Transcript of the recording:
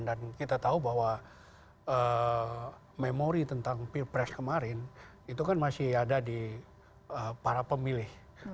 dan kita tahu bahwa memori tentang pilpres kemarin itu kan masih ada di para pemilih